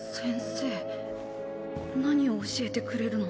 何を教えてくれるの？